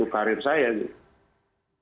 untuk karir saya gitu